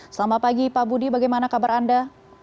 selamat pagi pak budi bagaimana kabar anda